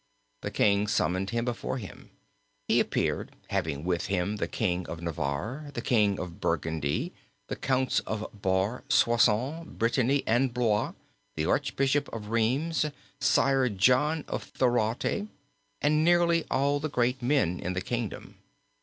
The king summoned him before him; he appeared, having with him the King of Navarre, the King of Burgundy, the counts of Bar, Soissons, Brittany, and Blois, the Archbishop of Rheims, Sire John of Thorote, and nearly all the great men in the kingdom.